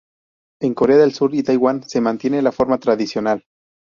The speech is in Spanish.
En Corea del Sur y Taiwán se mantiene la forma tradicional.